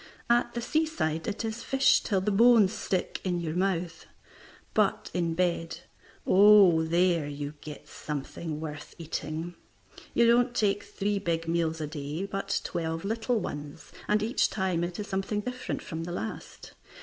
At the seaside it is fish till the bones stick in your mouth. But in bed oh, there you get something worth eating. You don't take three big meals a day, but twelve little ones, and each time it is something different from the last.